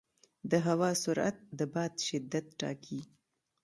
د هوا سرعت د باد شدت ټاکي.